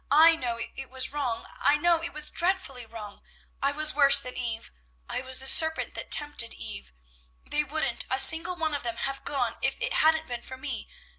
I know it was wrong; I know it was dreadful wrong! I was worse than Eve; I was the serpent that tempted Eve! They wouldn't a single one of them have gone if it hadn't been for me!